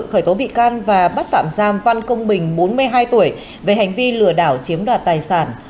khởi tố bị can và bắt phạm giam văn công bình bốn mươi hai tuổi về hành vi lừa đảo chiếm đoạt tài sản